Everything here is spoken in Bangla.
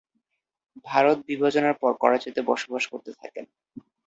ভারত বিভাজনের পর করাচিতে বসবাস করতে থাকেন।